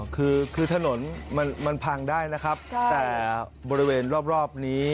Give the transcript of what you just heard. คือถนนมันพังได้นะครับแต่บริเวณรอบนี้